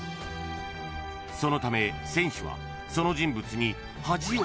［そのため選手はその人物に］